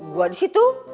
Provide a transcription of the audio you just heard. gua di situ